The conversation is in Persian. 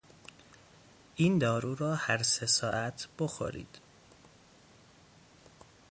این دارو را هر سه ساعت بخورید.